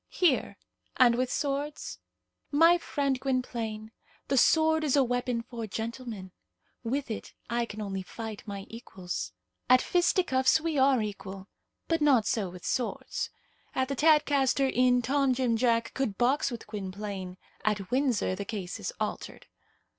"Here, and with swords?" "My friend Gwynplaine, the sword is a weapon for gentlemen. With it I can only fight my equals. At fisticuffs we are equal, but not so with swords. At the Tadcaster Inn Tom Jim Jack could box with Gwynplaine; at Windsor the case is altered.